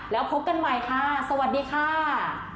แล้วพบกันใหม่ค่ะสวัสดีค่ะ